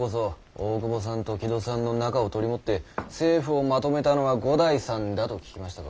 大久保さんと木戸さんの仲を取り持って政府を纏めたのは五代さんだと聞きましたぞ。